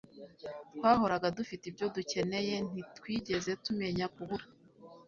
twahoraga dufite ibyo dukeneye ntitwigeze tumenya kubura